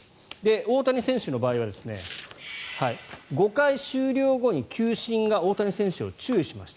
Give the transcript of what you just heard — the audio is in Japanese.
大谷選手の場合は５回終了後に球審が大谷選手を注意しました。